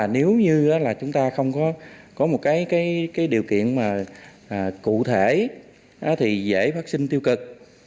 nếu như chúng ta không có một điều kiện cụ thể thì dễ phát sinh tiêu cực